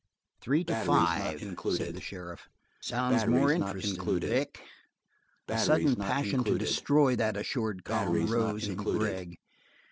"Three to five," said the sheriff, "sounds more interestin', Vic." A sudden passion to destroy that assured calm rose in Gregg.